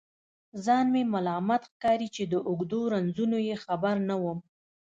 ځان مې ملامت ښکاري چې د اوږدو رنځونو یې خبر نه وم.